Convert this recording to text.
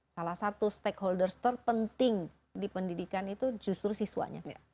salah satu stakeholders terpenting di pendidikan itu justru siswanya